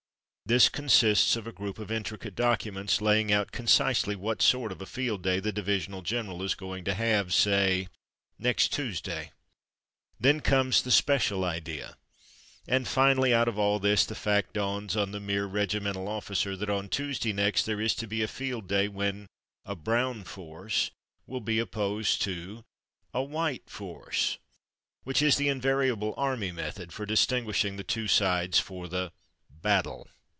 '* This consists of a group of intricate docu ments laying out concisely what sort of a field day the divisional general is going to have, say, "next Tuesday.'' Then comes the "special idea," and finally out of all this the fact dawns on the mere regimental officer that on Tuesday next there is to be a field day when "a Brown force" will be opposed to "a White force," which is the invariable army method for distinguish ing the two sides for the " battle.